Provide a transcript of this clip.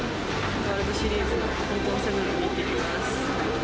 ワールドシリーズの香港セブンズに行ってきます。